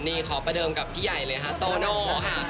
นี่ขอประเดิมกับพี่ใหญ่เลยค่ะโตโน่ค่ะ